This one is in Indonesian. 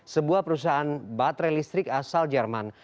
sebuah perusahaan baterai listrik asal jerman